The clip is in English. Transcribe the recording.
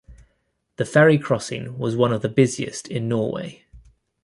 The ferry crossing was one of the busiest in Norway.